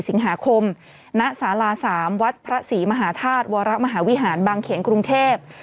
สิงหาคมณสารา๓วัดพระศรีมหาธาตุวรมหาวิหารบางเขนกรุงเทพ